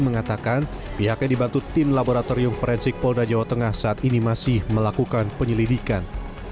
mengatakan pihaknya dibantu tim laboratorium forensik polda jawa tengah saat ini masih melakukan penyelidikan